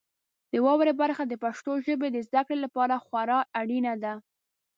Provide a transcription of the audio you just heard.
د واورئ برخه د پښتو ژبې د زده کړې لپاره خورا اړینه ده.